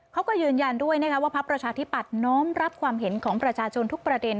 เขาก็ยืนยันด้วยนะคะว่าพักประชาธิปัตย์น้อมรับความเห็นของประชาชนทุกประเด็น